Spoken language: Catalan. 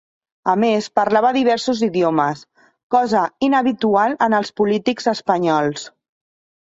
A més, parlava diversos idiomes, cosa inhabitual en els polítics espanyols.